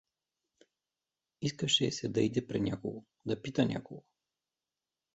Искаше й се да иде при някого, да пита някого.